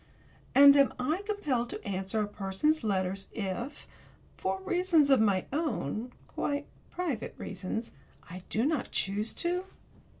And am I compelled to answer a person's letters if, for reasons of my own quite private reasons I do not choose to?